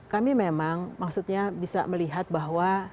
kami memang maksudnya bisa melihat bahwa